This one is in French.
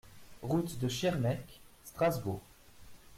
Route de Schirmeck, Strasbourg